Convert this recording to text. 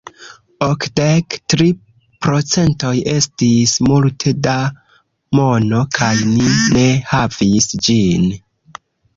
Okdek tri procentoj estis multe da mono, kaj ni ne havis ĝin.